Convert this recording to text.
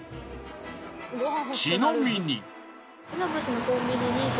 ちなみに。